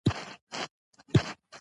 بېفائدې خبرې وخت ضایع کوي.